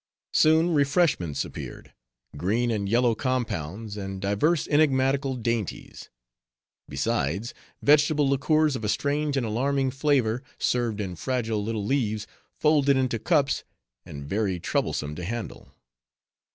Soon, refreshments appeared:—green and yellow compounds, and divers enigmatical dainties; besides vegetable liqueurs of a strange and alarming flavor served in fragile little leaves, folded into cups, and very troublesome to handle.